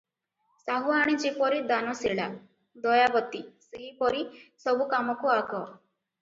ସାହୁଆଣୀ ଯେପରି ଦାନଶୀଳା, ଦୟାବତୀ - ସେହିପରି ସବୁ କାମକୁ ଆଗ ।